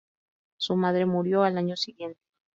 Su madre murió al año siguiente.